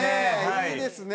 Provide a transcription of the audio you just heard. いいですね。